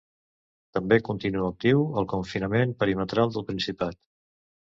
També continua actiu el confinament perimetral del Principat.